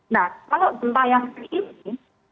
nah kalau gempa yang ini